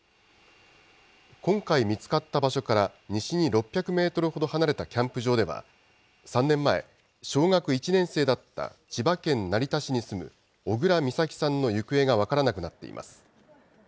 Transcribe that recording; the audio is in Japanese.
今回見つかった場所から西に６００メートルほど離れたキャンプ場では、３年前、小学１年生だった千葉県成田市に住む小倉美咲さんの行方が分からなくなっています。